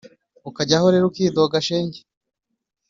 ukajyaho rero ukidoga shenge